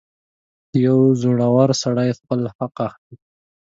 • یو زړور سړی خپل حق اخلي.